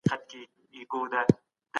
کوربه هیواد بشري حقونه نه محدودوي.